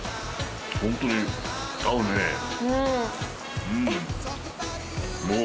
ホントに合うねうんうん